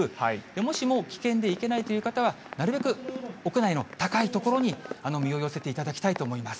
もしも危険で行けないという方は、なるべく屋内の高い所に身を寄せていただきたいと思います。